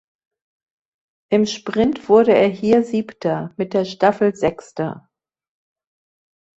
Im Sprint wurde er hier Siebter, mit der Staffel Sechster.